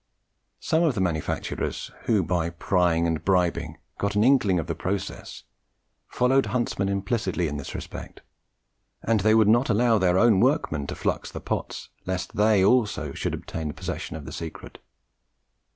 Some of the manufacturers, who by prying and bribing got an inkling of the process, followed Huntsman implicitly in this respect; and they would not allow their own workmen to flux the pots lest they also should obtain possession of the secret.